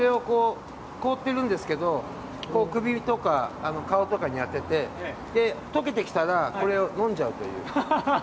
凍っているんですけど、それを首とか顔とかに当てて、とけてきたら、これを飲んじゃうという。